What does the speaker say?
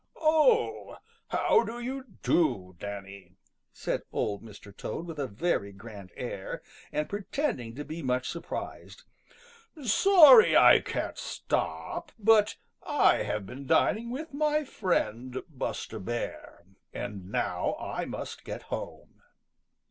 "Oh, how do you do, Danny?" said Old Mr. Toad with a very grand air, and pretending to be much surprised. "Sorry I can't stop, but I've been dining with, my friend, Buster Bear, and now I must get home."